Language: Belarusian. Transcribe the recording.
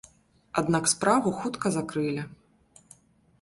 Аднак справу хутка закрылі.